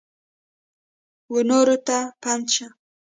ونورو ته پند شه !